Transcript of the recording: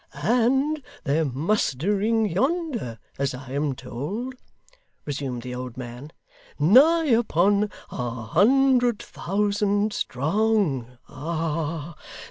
'And they're mustering yonder, as I am told,' resumed the old man, 'nigh upon a hundred thousand strong. Ah!